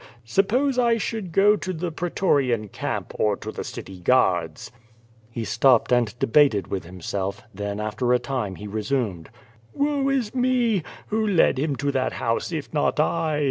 Suppose I should go to the pretorian camp, or to the city guards?" He stopped and debated with himself, then after a time he resumed: "Woe is me! who led him to that house if not I?